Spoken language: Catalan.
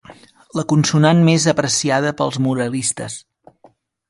La consonant més apreciada pels moralistes.